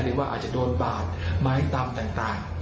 หรือว่าอาจจะโดนบาดไม้ตามต่าง